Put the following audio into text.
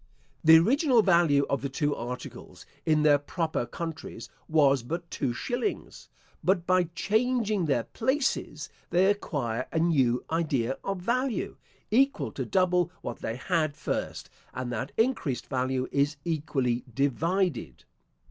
The original value of the two articles in their proper countries was but two shillings; but by changing their places, they acquire a new idea of value, equal to double what they had first, and that increased value is equally divided.